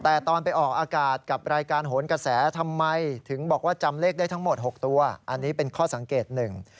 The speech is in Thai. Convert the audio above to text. แต่ตอนไปออกอากาศกับรายการโหนกระแสทำไมถึงบอกว่าจำเลขได้ทั้งหมดหกตัวอันนี้เป็นข้อสังเกตหนึ่ง